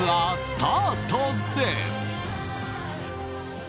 スタートです。